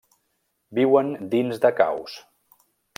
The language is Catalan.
Viuen dins de caus.